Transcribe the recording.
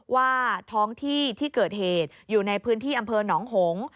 ว่าท้องที่ที่เกิดเหตุอยู่ในพื้นที่อำเภอหนองหงษ์